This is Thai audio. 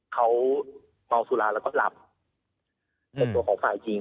เขาเมาสุราแล้วก็หลับในตัวของฝ่ายจริง